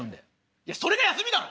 いやそれが休みだろ！